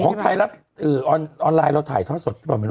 ของไทยล่ะอือออนไลน์เราถ่ายท่อสดพี่ป๋อไม่รู้